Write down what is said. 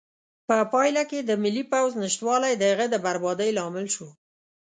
په پایله کې د ملي پوځ نشتوالی د هغه د بربادۍ لامل شو.